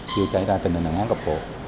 chưa xảy ra tình hình hạn hát gặp bộ